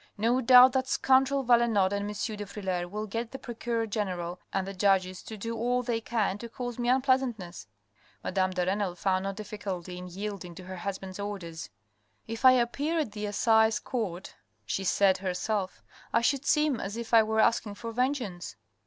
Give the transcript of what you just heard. No doubt that scoundrel Valenod and M. de Frilair will get the procureur general and the judges to do all they can to cause me unpleasantness." Madame de Renal found no difficulty in yielding to her husband's orders. " If I appear at the assize court," she said to herself, " I should seem as if I were asking for vengeance."